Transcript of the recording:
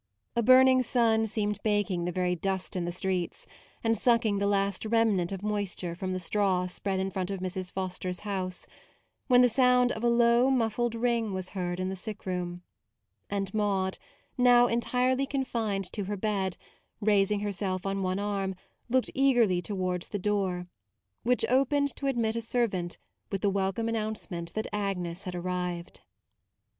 A burning sun seemed baking the very dust in the streets, and sucking the last remnant of moisture from the straw spread in front of Mrs. Foster's house, when the sound of a low, muffled ring was heard in the sick room; and Maude, now entirely confined to her bed, raising herself on one arm, looked eagerly towards the door; which opened to admit a servant with the welcome announce ment that Agnes had arrived.